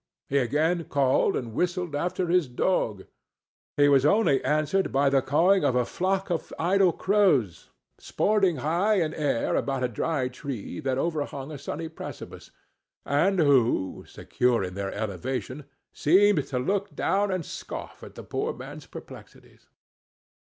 He again called and whistled after his dog; he was only answered by the cawing of a flock of idle crows, sporting high in air about a dry tree that overhung a sunny precipice; and who, secure in their elevation, seemed to look down and scoff at the poor man's perplexities.